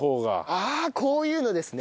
ああこういうのですね。